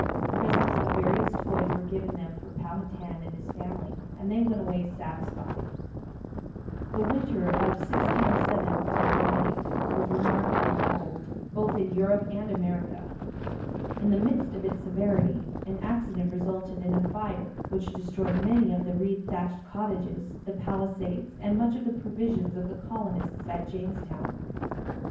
Presents of various toys were given them for Powhatan and his family, and they went away satisfied. The winter of 1607 08 was remarkably cold, both in Europe and America. In the midst of its severity an accident resulted in a fire which destroyed many of the reed thatched cottages, the palisades, and much of the provisions of the colonists at Jamestown.